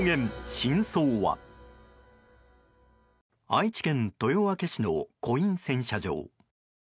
愛知県豊明市のコイン洗車場。